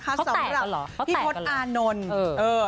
เขาแต่กันเหรอเขาแต่กันเหรอพี่พลต์อานนท์เออ